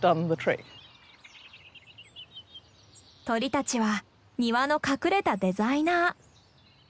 鳥たちは庭の隠れたデザイナー。